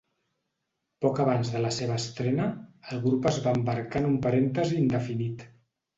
Poc abans de la seva estrena, el grup es va embarcar en un parèntesi indefinit.